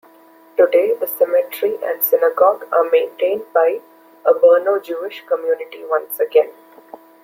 Today, the cemetery and synagogue are maintained by a Brno Jewish community once again.